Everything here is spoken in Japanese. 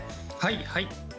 はいはい！